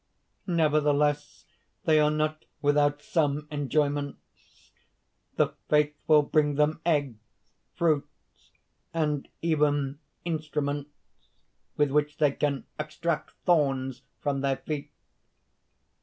"Nevertheless they are not without some enjoyments. The faithful bring them eggs, fruits, and even instruments with which they can extract thorns from their feet.